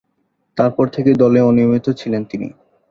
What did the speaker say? তারপর থেকেই দলে অনিয়মিত ছিলেন তিনি।